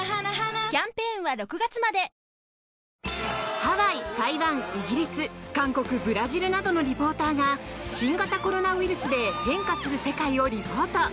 ハワイ、台湾、イギリス韓国、ブラジルなどのリポーターが新型コロナウイルスで変化する世界をリポート。